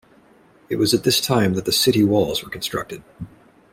It was at this time that the city walls were constructed.